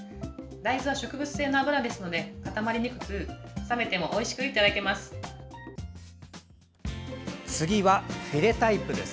大豆は植物性の油ですので固まりにくく冷めてもおいしくいただけます。